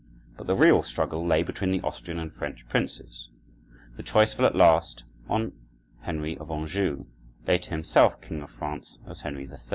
But the real struggle lay between the Austrian and French princes. The choice fell at last on Henry of Anjou, later himself king of France as Henry III.